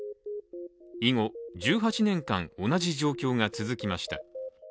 以後１８年間、同じ状況が続きました。